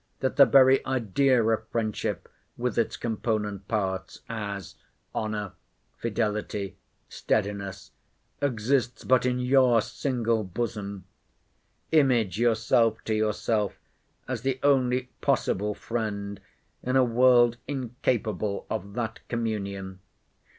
That the very idea of friendship, with its component parts, as honour, fidelity, steadiness, exists but in your single bosom. Image yourself to yourself, as the only possible friend in a world incapable of that communion.